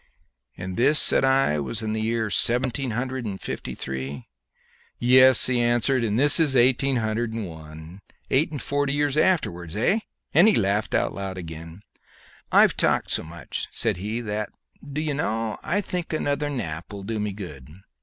"And this," said I, "was in seventeen hundred and fifty three?" "Yes," he answered; "and this is eighteen hundred and one eight and forty years afterwards, hey?" and he laughed out again. "I've talked so much," said he, "that, d'ye know, I think another nap will do me good.